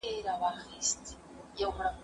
زه لیکل کړي دي؟